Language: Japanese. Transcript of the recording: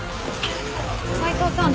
斎藤さん